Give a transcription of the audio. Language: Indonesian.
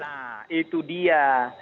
nah itu dia